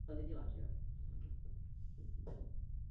Moldavsko musí mít v Evropské unii důvěryhodného partnera.